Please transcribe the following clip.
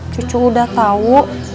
cucu udah tau